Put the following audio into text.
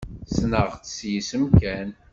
Ssneɣ-tt s yisem kan.